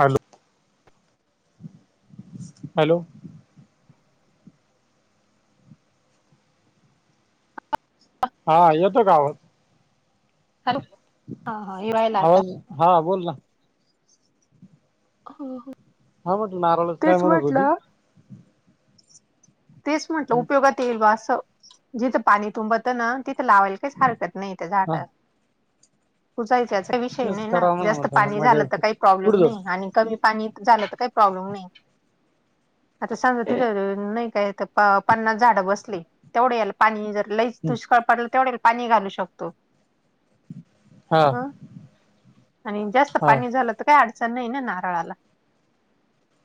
Hello. Hello. हा येतो का आवाज? हॅलो हा हा येवायला आता आवाज हा बोल ना. हो हो. हा म्हट नारळच काय म्हणत होती. तेच म्हंटलं उपयोगात येईल वा असं जिथं पाणी तुंबतं ना. तिथं लावायल काही हरकत नाही त्या हा झाडा पुचायच्या विषय तेच नाही ना करा म्हणा जास्त म्हटलं पाणी मजा झालं तर काही पुढे प्रॉब्लेम नाही आणि कमी पाणी झालं तर काही प्रॉब्लेम नाही आता सांजा तथ [unintelligible] नाही. ते इथे काय प पन्नास झाडं बसले तेवढं याल पाणी जर लईच जाऊ दुष्काळ पडलं तेवढं ये. पाणी घालू शकतो. हा ह आणि जास्त हा पाणी झालं तर काय अच सनईन नाराळला.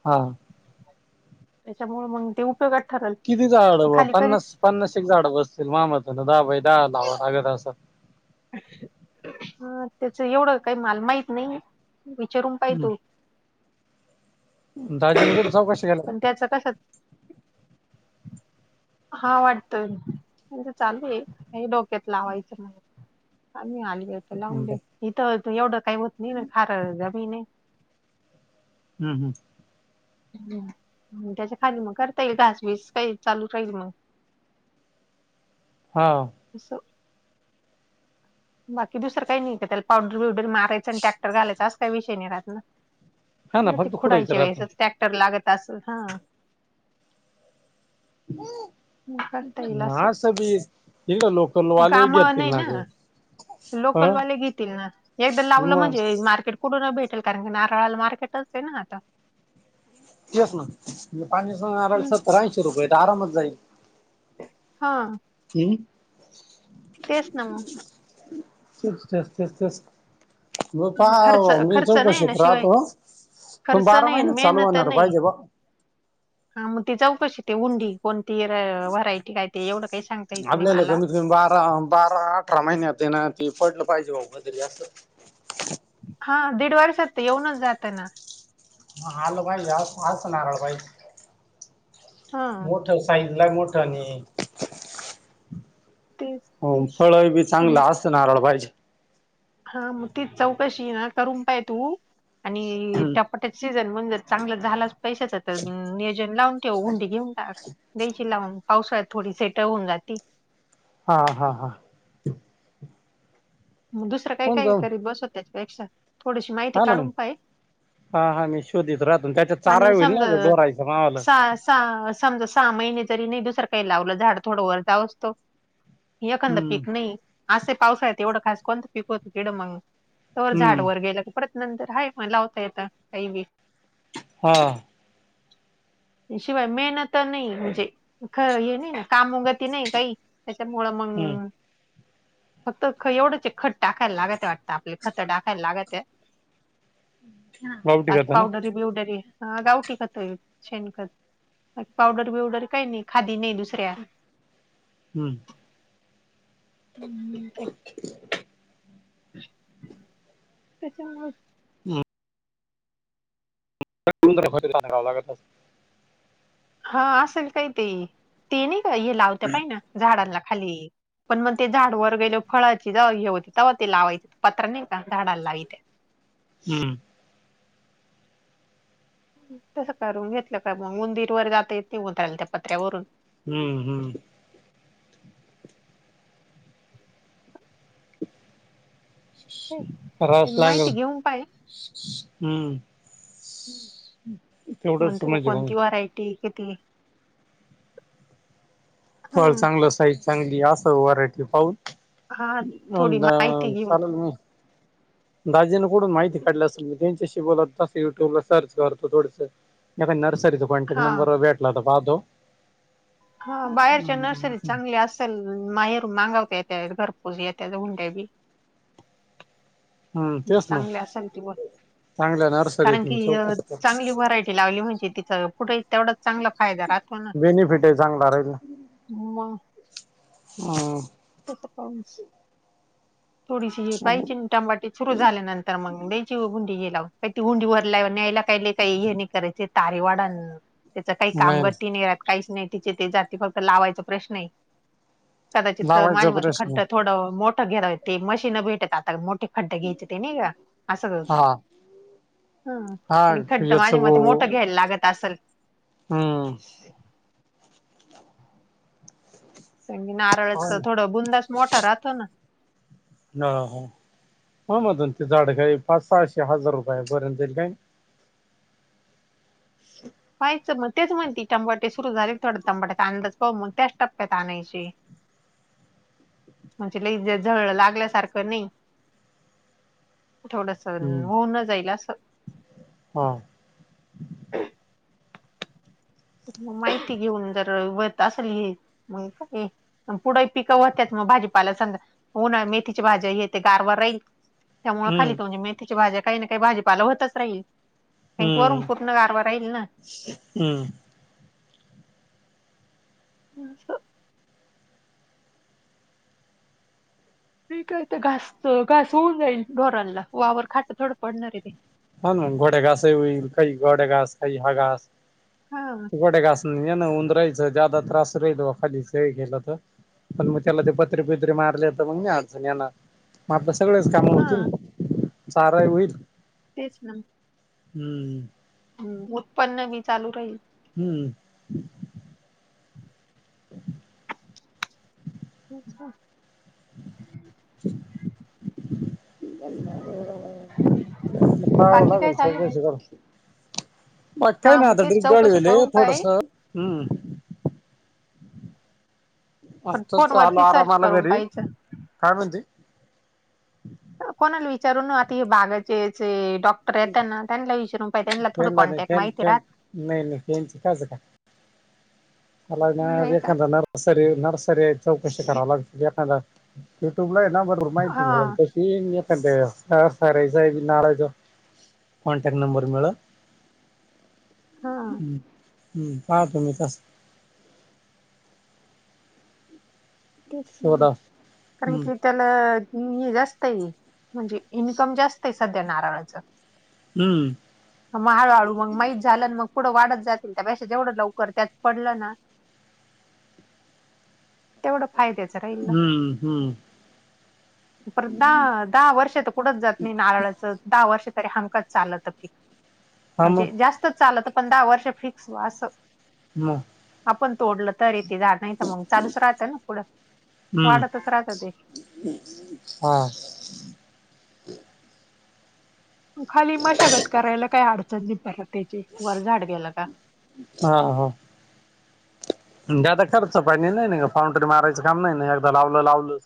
हा. त्याच्यामुळे मग ते उपयोगात ठरल किती झाडं खाली कधी पन्नास पन्नास एक झाडं बसतील मामातन दहा बाई दहा लावा लाग असं. हा त्याच एवढं काही माल माहित नाही. विचारून पाहि तो दाजीने कुठे चौकशी केला का पण त्याचा कशात? हा वाटतंय म्हणज चालूय का [unintelligible] त्यात लावैचना. आम्ही आली हो तर लावून दे इथं एवढं काही होत नाही ना खार जमीन आहे. हम् हम्. हम्म भुत्या त्याच्या खाली मग करता येईल तास बीस काही चालू राहील मग हा. अ. बाकी दुसरं काही नाही का त्याला पावडर बिवडर मारायचं आणि ट्रॅक्टर घालायचा अस काही विषय नाही राहत हा ना ना. फक्त खुडायचं खुडायच्या वेळेसच राहतं ट्रॅक्टर लागत अस हा. मग करता येईल असं मांस बी लोकल वाले काम घेतील नाही नाग. ना लोकलवाले घेतील ना एकदा लावलं मग म्हणजे मार्केट कुठ न भेटेल कारण नारळाला मार्केटच आहे ना आता तेस ना म्हे पाशे सत्तर ऐंशीे रुपये आरामात जाईल. हा. तीन. तेच ना. तेच तेच तेच तेच मग खर्च पाहा मी खर्च चको नाही ना शेत शिवाय राहतो. पण खर्च बारा नाही आणि महिनात चालू मेहनत होणार नाही पाहिजे. हा मग ती जाऊ कशी ते उंडी कोणती व्हरायटी आहेत. ते एवढ काही सांग. आपल्याला कमीत कमी बारा बारा अठरा महिन्यात ना ते पडलं पाहिजे बाऊ [unintelligible] कातरी जास्त हा दीड वर्षात येऊनच जात आहे ना. हा आलो बाहेर जाऊन आज नारळ पाहिजे. हा तो साईज ला मोठं आणि तेच हो तेच फळ बीच आणि- चांगला असत नारळ पाहिजे. हा मग तीच चौकशी ना करून पाय तू आणि टप पटट सीजन म्हण जर चांगलं झाला पैशाच तर नियोजन लावून. ते उंडी घेऊन टाक द्यायची लावून पावसाळ थडी सेटळ होऊन जाते. हा हा हा. मग दुसरं काय होऊन काय जाऊन करीत बसत त्याचपेक्षा थोडीशी माहिती हा ना मग काढून पाय हा हा मी शोधत राहतून त्याच्या चारा होईल ना ग डोरायच्या मावाला चा समजा सहा महिने जरी नाही दुसरं काही लावलं झाड थोडं वर जाव असतो. एखांदा हम्म पीक नाही आज ते पावसा आहे एवढं खास कोणतं पीक होतं कड मगून तर झाड हम्म वर गेला परत नंतर हाय मग लावता येत काही बी हा. शिवाय मेहनत नाही म्हणजे ख हे नाही कामग [unintelligible] नाही काही त्याच्यामु हम्म मग फक्त एवढंच. खत टाकायला लागत वाटतं आपले खतं टाकायला लागतं. गावठी बाकी करता ना पावडर बी उडर आहे. हा गावठी खतोय शेण खत पावडर बिवडर काही नाही खादी नाही दुसऱ्या हम्म. हम्म [inaudible] त्याच्या ू [inaudible] नखवला. हा असेल काही ते ते नाही का हे लावत पाहि ना झाडांना खाली पण मग ते झाडवर गेले फळाची जा हे होती तेव्हा ते लावायचे पात्र नाही का झाडाला लावायत. हम्म. तसं करून घेतलं काय मग उंदीरवर जाता येत ते उत्रला त्या पत्र्यावरून हम्म हम्म. ते रस लागल माहिती घेऊन पाय हम्म. [unintelligible] ठीक आहे तिथि. फळ चांगलं साईज चांगली असं व्हरायटी पाहून. हा म्हण थोडी माहिती दाम घेऊन सलाल मी दाजीं कोडून माती काढली असेल मी त्यांच्याशी बोलत. युट्यूब ला सर्च करतो थोडस एका का नर्सरीचा कॉन्टॅक्ट हा नंबर भेटला होता पाहतो. हा बाहेरच्या नर्सरी हम्म चांगले अस. तर माहेर मागवतत्या घरपूज य त्या गुंड्या बी. तेच ना चांगल्या असेल ती बोल. चांगल्या कारण की नर्सरीतून चौकशी कर चांगली व्हरायटी लावली म्हणजे तिथं पुुठे तेवढंच. चांगला फायदा राहतो ना बेनिफिट आहे चांगला राहील मग हम. तसं पाऊन थोडीशी ये पायची टंबाटी सुरू झाल्यानंतर तर मग मुलची [unintelligible] गुंडी घेला काही त गुंडी वरलाय न्यायला काही काही हे नाही करायचे. तारेवाडा त्याच काही कामगती नाही राहात काहीच नाही. तिथे ते जाती फक्त लावायचा प्रश्न आहे कदाचित लावायचा माझ्या मते प्रश्न खड्ड थोडं मोठ. ख [unintelligible] घेरा ते मशीन भेटत आता मोठे खड्ड घ्यायचे ते नाही का असं होत. हा हा आणि खड्ड माझे मती मोठं घ्यायला लागत असल. हम्म. म्हणज हा नारळाचं थोडं बुंदास मोठा राहतो ना. हा ह ह म्ह तून ते झाडं काही पाच सहाशे हजार रुपये पर्यंत जाईल काय [unintelligible] पा्हायचं मग तेच म्हणती तंबाटे सुरू झाले थोडं तंबाट्याचा अंदाज पाहू मग त्याच टप्प्यात आणायचे. [unintelligible] म्हणजे लज झळ लागल्यासारखं नाही. थोडंस हम्म होऊन न जाईल असं. हा. मग माहिती घेऊन जर होत असेल हे मग काय आणि पुढंही पिक होत्याच मग भाजीपाला संग उन्हाळ्यात मेथीची भाज्या हे ते गारवा राहील. त्यामुळे हम्म खाली [unintelligible] मेथीची भाज्या काही ना काही भाजीपाला होतच राहील. आणि वरून हम्म पूर्ण गारवा राहील ना. हम्म. हम्म असं नाही काय ते घास घास होऊन जाईल ढोरांला वावर खाट थोडं पडणार आहे ते. हा ना गोडे घासही होईल, काही गोडे घास, काही हा घास. हा. गोड घास नाही [unintelligible] उंदर राहायचं जादा त्रास राहील खालीच हे केलं तर पण मग त्याला ते पत्रे फित्रे मारले, तर मग नाही अडचण येणार. मग आपले सगळेच काम होतील, हा चाराही होईल. तेच ना. हम्म. हम्म उत्पन्नबी चालू राहील. हम्म. [inaudible] [inaudible] [inaudible] पहावं बाकी लागलं काय चालू आहे चौकशी करुन. मग काय हा ना आता तेच चौकशी करून [unintelligible] पाय थोडंसं हम्म. पण आताच आलो फोनवरती सर्च आरामानं करून घरी. पाहायचं काय म्हणती? कोणाला विचारून न आता हे बागायचे येचे डॉ तर ना त्यांला विचारून पाही त्यांना थोडं नाही कॉन्टॅक्ट फॅन माहिती फॅन राहतं. नाही नाही [unintelligible] एखांदा नर नर्सरी नर्सरी आहेत चौकशी कराव लागते. एखादा युट्यूबला हाय ना बरोबर माहिती हा मिळलं तशी. [unintelligible] Contact number मिळलं? हा हम्म हम्म, पाहतो मी तसं. तेच ना मग, शोधा कारण हम्म की त्याला हे जास्त आहे म्हणजे इन्कम जास्त आहे सध्या नारळाच. हम्म. मग हळूहळू मग माहीत झालं ना मग पुढं वाढत जातील. त्या पेक्षा जेवढं लवकर त्यात पडलं ना तेवढं फायद्याच राहील. ना. हम्म हम्म. परत दहा दहा वर्ष तर कुठच जात नाही नारळाचं. दहा वर्ष तरी हमखास चालतं. हा मग म्हणजे जास्तच चालत, पण दहा वर्ष फिक्स हो असं. मग आपण तोडलं तरीही तेे झाड नाही तर मग चालूच राहतं ना. हम्म वाढतच राहत ते. हा. तू खाली मशागत करायला काही अडचण नाही परत त्याची. वर झाड गेलं का. हा हा. ज्यादा खर्च पाहिजे नाही नाही फउंटरी मारायचं काम नाही ना एकदा लावलं लावलं.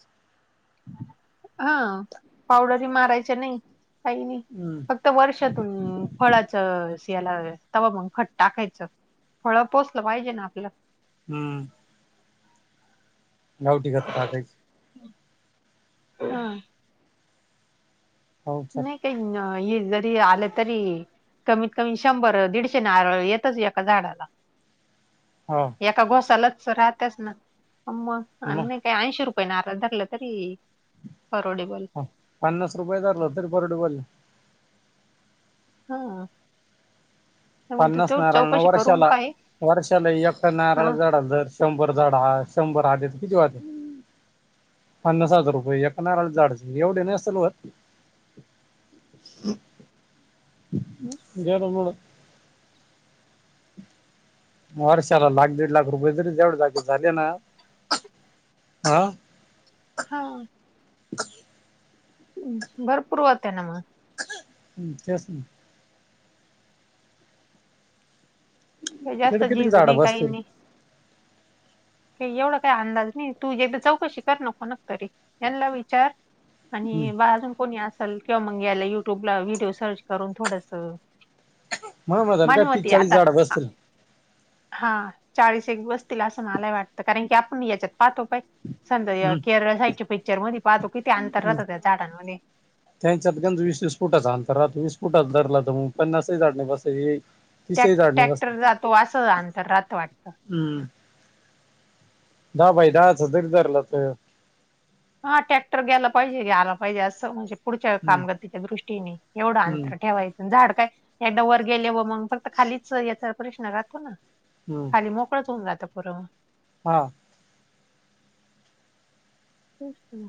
हा पावडरी मारायच्या नाही, काही नाही. हम्म. फक्त वर्षातून फळाच याला तवा मग खत टाकायचं. फळं पोसलं पाहिजे ना आपलं. हम्म. [unintelligible] टाकायचं. हा. हो चल. नाही हे जरी आलं तरी कमीत कमी शंभर दीडशे नारळ येतच एका झाडाला. हो. एका घोसालाच राहतेच ना. अ मग आणि काही ऐंशी रुपये नारळ धरलं तरी परवडेबल. पन्नास रुपये धरल तरी परवडलं. हा. त्यामुळे तू पन्नास तेवढ नारळ चौकशी करून वर्षाला. पाय वर्षाला एक नारळ हा झाडाच धर शंभर झाड हाय शंभर राहते तर किती [unintelligible] पन्नास हजार रुपये एका नारळाच्या झाडाचे एवढे नसलं होतं. [inaudible] हम्म. जेवलो‌ थोडं. [inaudible] वर्षाला लाख दीड लाख रुपये तरी [unintelligible] झाले ना, आ? हा. भरपूर होते ना मग. हम्म तेच ना. काय जास्त तिकडे किती झीज झाडं नाही काही बसतील नाही. काही एवढा काही अंदाज नाही. तू जेथ चौकशी कर ना कूनाक तरी यांना विचार आणि बाजून कोणी असेल किंवा मग यायला युट्यूबला व्हिडिओ सर्च करून थोडंसं म्हणून म्हणाल माण का तीस होती चाळीस आता झाडं बसतील हा चाळीस एक बसतील असं मलाही वाटतं, कारण की आपण याच्यात पाहतो पाही. समजा हे हम्म केरळ साईडच्या पिक्चरमध्ये पाहतो किती अंतर राहात त्या झाडांमध्ये. त्यांच्यात गंद वीस वीस फुटाचा अंतर राहतो. वीस फुटाचा धरला तर पन्नासही झाड नाही बसायची. त्यात तीसही झाड नाही टॅक्टर बसायची जातो असं अंतर राहतं वाटतं. हम्म दहा बाय दहाच जरी धरलं तर हा ट्रॅक्टर गेला पाहिजे आला पाहिजे असं म्हणजे पुढच्या हम्म कामगतीच्या दृष्टीने एवढं हम्म अंतर ठेवायचं. झाड काय एकदा वर गेले व मग फक्त खालीच याचा प्रश्न राहतो ना. हम्म. खाली मोकळंच होऊन जातं पुरं. हा. तेच की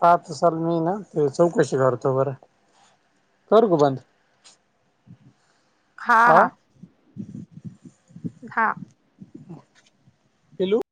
पात असल मी ना ते चौकशी करतो बरं. करु का बंद? [inaudible] हा हा. हा. पिलू.